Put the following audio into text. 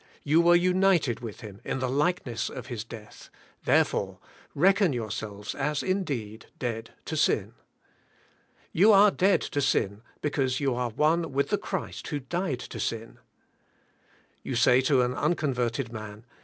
You were united with Him in the likeness of His death; therefore reckon yourselves as indeed dead to sin. You are dead to sin because you are one with the Christ who died to sin. You say to an unconverted man.